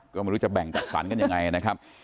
ก็ไม่รู้จะแบ่งจัดสรรกันยังไงนะครับ